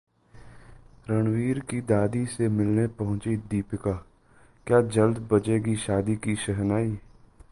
रणवीर की दादी से मिलने पहुंचीं दीपिका, क्या जल्द बजेगी शादी की शहनाई!